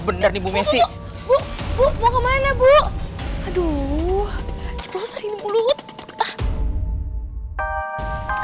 bener nih bu messi bu bu mau kemana bu aduh jepul sering mulut ah